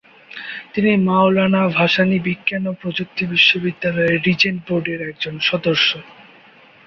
তিনি মাওলানা ভাসানী বিজ্ঞান ও প্রযুক্তি বিশ্ববিদ্যালয়ের রিজেন্ট বোর্ডের একজন সদস্য।